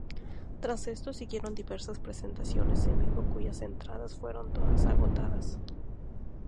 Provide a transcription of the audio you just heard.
Tras esto siguieron diversas presentaciones en vivo cuyas entradas fueron todas agotadas.